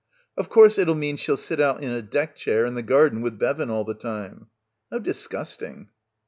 "Of course it'll mean she'll sit out in a deck chair in the garden with Bevan all the time." "How disgusting."